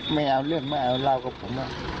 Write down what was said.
ไม่เอาเรื่องไม่เอาเล่ากับผม